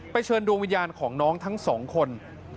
เชิญดวงวิญญาณของน้องทั้งสองคน